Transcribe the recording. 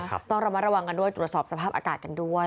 ต้องระมัดระวังกันด้วยตรวจสอบสภาพอากาศกันด้วย